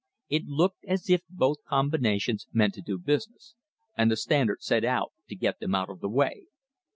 It looked as if both com binations meant to do business, and the Standard set out to get them out of the way.